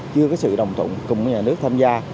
chưa có sự đồng thụn cùng nhà nước tham gia